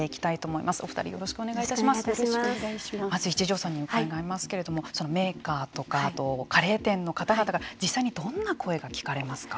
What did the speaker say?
まず一条さんにお伺いしますけどメーカーとかカレー店の方々から実際にどんな声が聞かれますか。